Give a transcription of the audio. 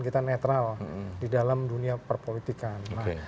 kita netral di dalam dunia perpolitikan